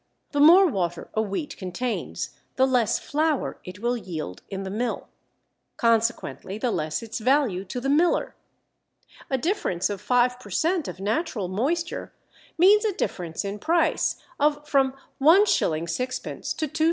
The more water a wheat contains the less flour it will yield in the mill. Consequently the less its value to the miller. A difference of 5 per cent. of natural moisture means a difference in price of from 1_s._ 6_d._ to 2_s.